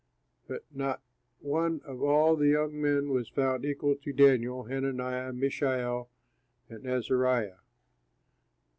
But not one of all the young men was found equal to Daniel, Hananiah, Mishael, and Azariah.